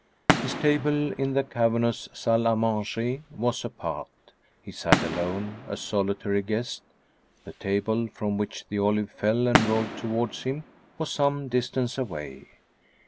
His table in the cavernous salle à manger was apart: he sat alone, a solitary guest; the table from which the olive fell and rolled towards him was some distance away.